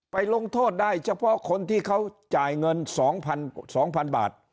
ลงโทษได้เฉพาะคนที่เขาจ่ายเงิน๒๐๐๐บาท